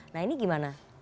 nah ini gimana